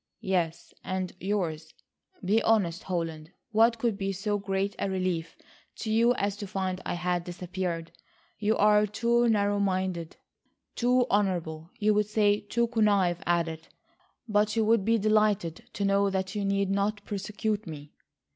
"Yes, and yours. Be honest, Holland, what could be so great a relief to you as to find I had disappeared. You are too narrow minded, too honourable, you would say, to connive at it, but you would be delighted to know that you need not prosecute me."